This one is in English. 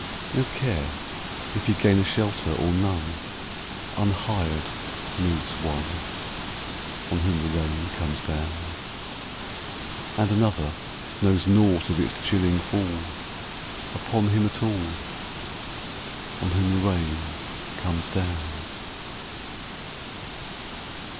No care if he gain a shelter or none, Unhired moves one, On whom the rain comes down. And another knows nought of its chilling fall Upon him at all, On whom the rain comes down.